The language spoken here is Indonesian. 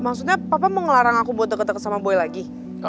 maksudnya papa mau ngelarang aku buat deket deket sama boy lagi